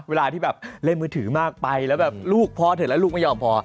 เวลาที่แบบเล่นมือถือมากไปแล้วแบบลูกพอเถอะแล้วลูกไม่ยอมพอ